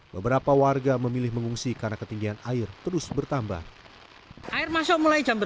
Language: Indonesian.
beberapa warga memilih mengungsi karena ketinggian air terus bertambah